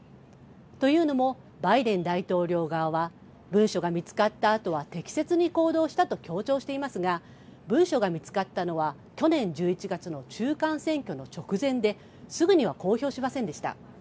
というのもバイデン大統領側は文書が見つかったあとは適切に行動したと強調していますが文書が見つかったのは去年１１月の中間選挙の直前ですぐには公表しませんでした。